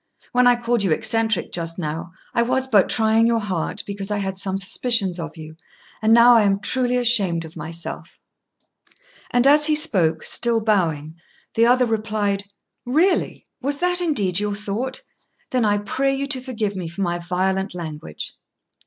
When I called you eccentric just now, I was but trying your heart, because I had some suspicions of you; and now I am truly ashamed of myself." And as he spoke, still bowing, the other replied, "Really! was that indeed your thought? Then I pray you to forgive me for my violent language."